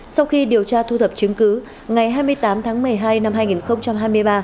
sau khi điều tra thu thập chứng cứ ngày hai mươi tám tháng một mươi hai năm hai nghìn hai mươi ba